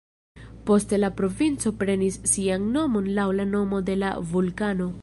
Poste la provinco prenis sian nomon laŭ la nomo de la vulkano.